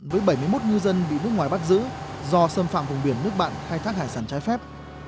với bảy mươi một ngư dân bị nước ngoài bắt giữ do xâm phạm vùng biển nước bạn khai thác hải sản trái phép